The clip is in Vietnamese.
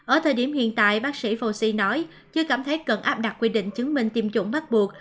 ở thời điểm hiện tại bác sĩ phô sĩ nói chưa cảm thấy cần áp đặt quy định chứng minh tiêm chủng bắt buộc